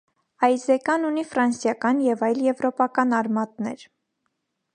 Այզեկան ունի ֆրանսիական և այլ եվրոպական արմատներ։